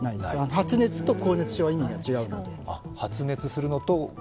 発熱と高熱症は意味が違うので。